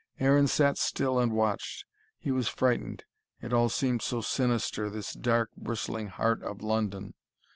Aaron sat still and watched. He was frightened, it all seemed so sinister, this dark, bristling heart of London.